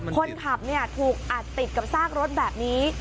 คนขับถูกอัดติดกับซากรถแบบนี้